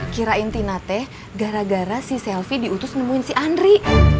kirain tina teh gara gara si selfie diutus nemuin si andri